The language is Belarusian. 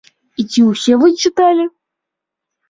І ці ўсе вы чыталі?